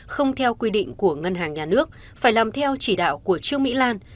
không theo quy định của ngân hàng nhà nước phải làm theo chỉ đạo của trương mỹ lan